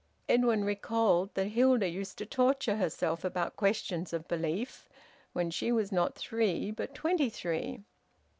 Edwin recalled that Hilda used to torture herself about questions of belief when she was not three but twenty three.